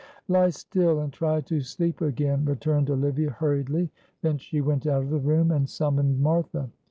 "Lie still and try to sleep again," returned Olivia, hurriedly; then she went out of the room and summoned Martha.